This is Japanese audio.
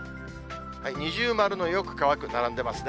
二重丸のよく乾く並んでますね。